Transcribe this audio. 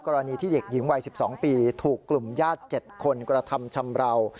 กรณีที่เด็กหญิงวัย๑๒ปีถูกกลุ่มญาติ๗คนกระทำชำราว